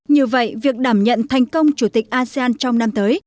như vậy việc đảm nhận thành công chủ tịch asean trong năm tới